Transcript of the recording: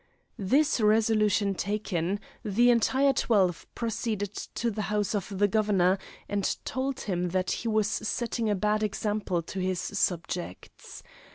This resolution taken, the entire twelve proceeded to the house of the Governor and told him that he was setting a bad example to his subjects.